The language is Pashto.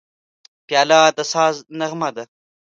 پیاله د ساز نغمه ده.